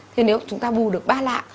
thì nếu chúng ta bù được ba lạng